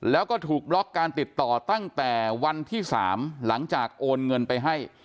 แล้วก็ถูกบล็อกการติดต่อตั้งแต่วันที่๓หลังจากโอนเงินไปให้